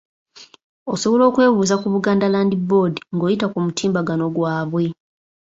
Osobola okwebuuza ku Buganda Land Board nga oyita ku mutimbagano gwabwe.